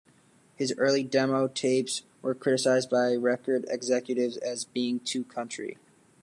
His early demo tapes were criticized by record executives as being too country.